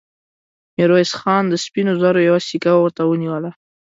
ميرويس خان د سپينو زرو يوه سيکه ورته ونيوله.